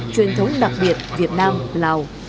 truyền thống đặc biệt việt nam lào